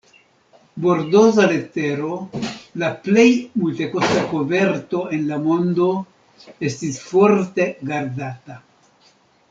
Bordoza letero, la plej multekosta koverto en la mondo, estis forte gardata.